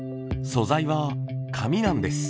素材は紙なんです。